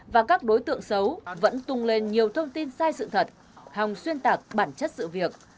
và các đối tượng xấu vẫn tung lên nhiều thông tin sai sự thật hòng xuyên tạc bản chất sự việc